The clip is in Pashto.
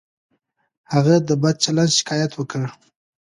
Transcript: هغه د بد چلند شکایت وکړ.